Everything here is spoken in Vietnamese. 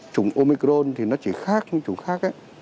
chủng omicron thì nó chỉ khác những chủng khác